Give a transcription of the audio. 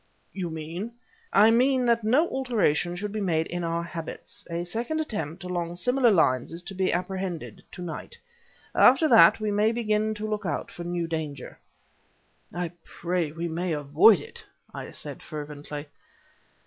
"You mean " "I mean that no alteration should be made in our habits. A second attempt along similar lines is to be apprehended to night. After that we may begin to look out for a new danger." "I pray we may avoid it," I said fervently.